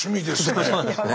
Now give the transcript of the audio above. そうなんですね。